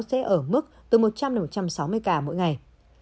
sẽ ở mức từ một trăm linh một trăm sáu mươi ca mỗi ngày